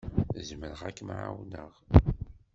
Zemreɣ ad kem-ɛawneɣ?